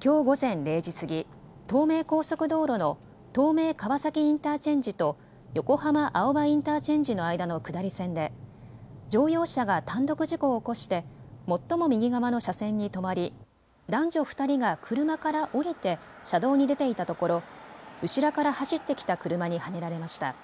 きょう午前０時過ぎ、東名高速道路の東名川崎インターチェンジと横浜青葉インターチェンジの間の下り線で乗用車が単独事故を起こして最も右側の車線に止まり男女２人が車から降りて車道に出ていたところ、後ろから走ってきた車にはねられました。